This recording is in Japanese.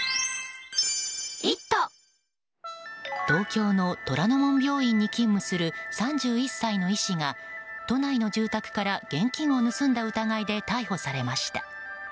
東京の虎の門病院に勤務する３１歳の医師が、都内の住宅から現金を盗んだ疑いで逮捕されました。